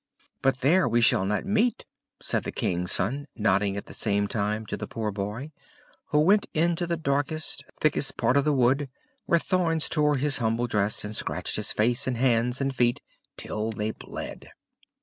"But there we shall not meet," said the King's Son, nodding at the same time to the poor boy, who went into the darkest, thickest part of the wood, where thorns tore his humble dress, and scratched his face and hands and feet till they bled.